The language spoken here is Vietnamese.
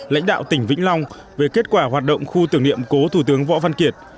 lãnh đạo tỉnh vĩnh long về kết quả hoạt động khu tưởng niệm cố thủ tướng võ văn kiệt